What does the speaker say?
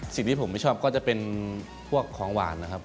สิ่งที่ผมไม่ชอบก็จะเป็นพวกของหวานนะครับ